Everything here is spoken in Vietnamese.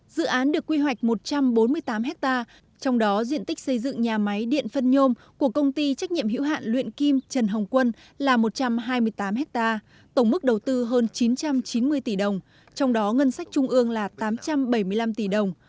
dự án được quy hoạch một trăm bốn mươi tám ha trong đó diện tích xây dựng nhà máy điện phân nhôm của công ty trách nhiệm hữu hạn luyện kim trần hồng quân là một trăm hai mươi tám ha tổng mức đầu tư hơn chín trăm chín mươi tỷ đồng trong đó ngân sách trung ương là tám trăm bảy mươi năm tỷ đồng